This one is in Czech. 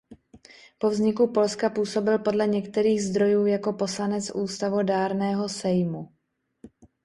Po vzniku Polska působil podle některých zdrojů jako poslanec ústavodárného Sejmu.